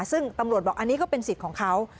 ซึ่งตำรวจบอกอันนี้ก็เป็นสิทธิ์ของเขา